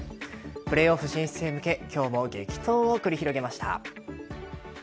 プレーオフ進出へ向け今日も激闘を繰り広げました。